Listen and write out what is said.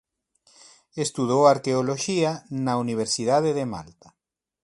Estudou arqueoloxía na Universidade de Malta.